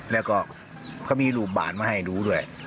แล้วก็เขามีรูปบานมาให้ดูด้วย